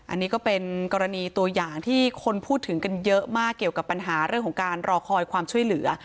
อันนี้ก็เป็นกรณีตัวอย่างที่คนพูดถึงกันเยอะมากเกี่ยวกับปัญหาเรื่องของการรอคอยความช่วยเหลือ